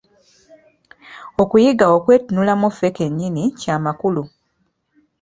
Okuyiga okwetunulamu ffe ke nnyini kya makulu.